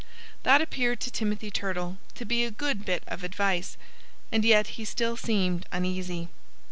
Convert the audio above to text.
That appeared to Timothy Turtle to be a good bit of advice. And yet he still seemed uneasy.